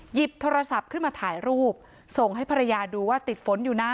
หยิบโทรศัพท์ขึ้นมาถ่ายรูปส่งให้ภรรยาดูว่าติดฝนอยู่นะ